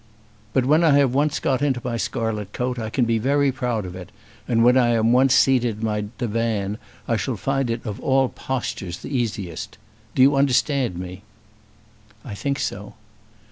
"But when I have once got into my scarlet coat I can be very proud of it, and when I am once seated in my divan I shall find it of all postures the easiest. Do you understand me?" "I think so."